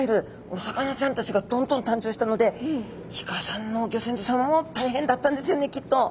お魚ちゃんたちがどんどん誕生したのでイカさんのギョ先祖様も大変だったんですよねきっと。